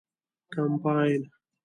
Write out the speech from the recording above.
کمپاین